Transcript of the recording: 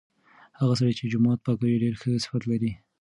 هغه سړی چې جومات پاکوي ډیر ښه صفت لري.